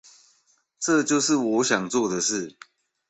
這就是我想做的事